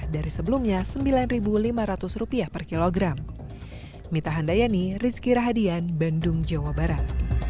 dari sebelumnya rp sembilan lima ratus per kilogram